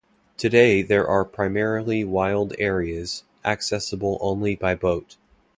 Today they are primarily wild areas, accessible only by boat.